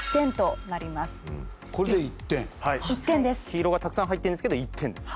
黄色がたくさん入ってるんですけど１点です。